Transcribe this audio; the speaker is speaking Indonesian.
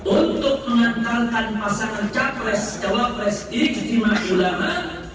untuk mengantalkan pasangan jafres jawabres di ijtima ulama